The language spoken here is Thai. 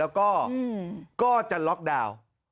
แล้วก็จะล็อกดาวน์